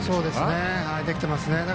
できていますね。